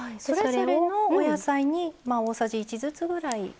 それぞれのお野菜に大さじ１ずつぐらい。